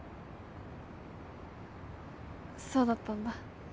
そうだったんだ。